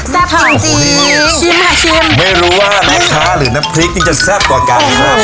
จริงจริงชิมค่ะชิมไม่รู้ว่าลูกค้าหรือน้ำพริกนี่จะแซ่บกว่ากันครับ